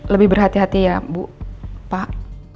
lebih berhati hati ya bu pak